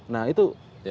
nah itu pak presiden